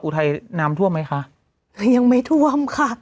อุทัยน้ำท่วมไหมคะยังไม่ท่วมค่ะ